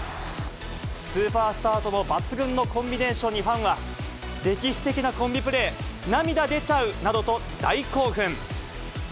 スーパースターとの抜群のコンビネーションにファンは、歴史的なコンビプレー、涙出ちゃうなどと大興奮。